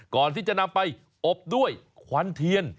ก่อนที่จะนำไปอบด้วยขวัญเทียน